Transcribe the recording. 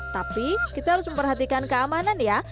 tapi kita harus memperhatikan keamanan ya